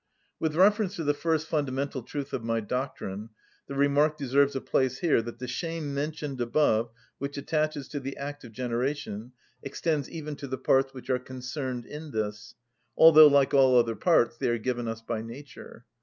With reference to the first fundamental truth of my doctrine, the remark deserves a place here that the shame mentioned above which attaches to the act of generation extends even to the parts which are concerned in this, although, like all other parts, they are given us by nature.